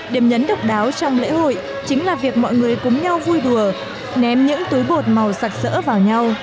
điểm nhấn độc đáo trong lễ hội chính là việc mọi người cùng nhau vui đùa ném những túi bột màu sạch sỡ vào nhau